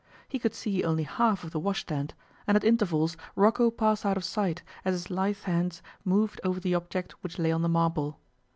He could see only half of the washstand, and at intervals Rocco passed out of sight as his lithe hands moved over the object which lay on the marble.